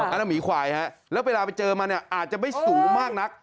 อันนั้นหมีควายฮะแล้วเวลาไปเจอมันเนี่ยอาจจะไม่สูงมากนัก